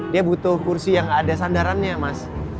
dia butuh kursi yang ada sandarannya mas